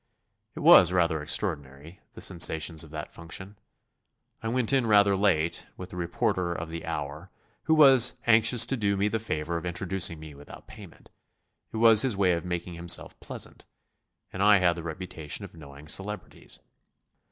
It was rather extraordinary, the sensations of that function. I went in rather late, with the reporter of the Hour, who was anxious to do me the favour of introducing me without payment it was his way of making himself pleasant, and I had the reputation of knowing celebrities.